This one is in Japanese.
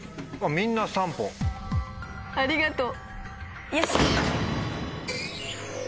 みんなありがとう。